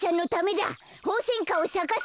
ホウセンカをさかせてみるよ。